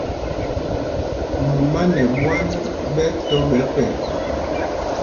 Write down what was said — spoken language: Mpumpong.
Mumá nɛ ɓwân ɓɛ tɔ́ ɓɛ pɛt.